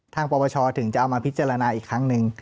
ปปชถึงจะเอามาพิจารณาอีกครั้งหนึ่ง